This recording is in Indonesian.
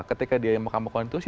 ketika dia yang makam makam konstitusi